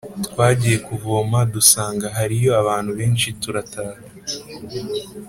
Twagiye kuvoma dusanga hariyo abantu benshi turataha